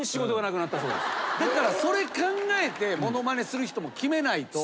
だからそれ考えてものまねする人も決めないと。